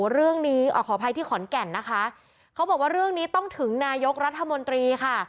เรื่องนี้ขออภัยที่ขอนแก่นนะคะเขาบอกว่าเรื่องนี้ต้องถึงนายกรัฐมนตรีค่ะ